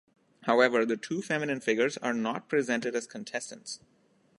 However, the two feminine figures are not presented as contestants.